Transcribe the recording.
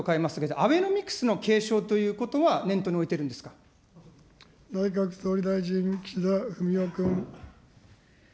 アベノミクスの継承ということは内閣総理大臣、岸田文雄君。